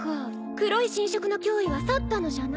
黒い侵食の脅威は去ったのじゃな。